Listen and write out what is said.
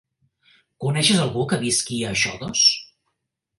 Coneixes algú que visqui a Xodos?